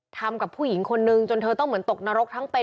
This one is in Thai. ทำกับผู้หญิงคนนึงจนเธอต้องเหมือนตกนรกทั้งเป็น